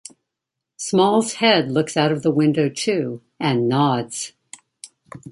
Small's head looks out of window too, and nods.